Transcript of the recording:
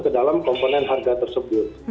ke dalam komponen harga tersebut